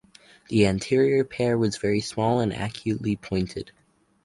The anterior pair was very small and acutely pointed.